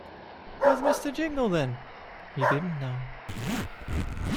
‘Where’s Mr. Jingle, then?’ He didn’t know.